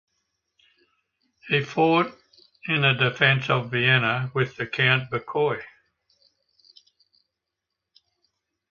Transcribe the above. He fought in the defense of Vienna with the Count Bucquoy.